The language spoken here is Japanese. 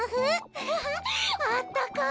アハハあったかい！